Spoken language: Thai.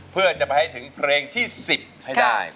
เพื่อจะไปให้ถึงเพลงที่๑๐ให้ได้